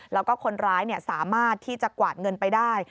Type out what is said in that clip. แล้วก็คนร้ายสามารถที่จะกวาดเงินไปได้